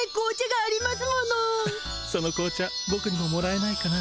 「その紅茶ボクにももらえないかな？」。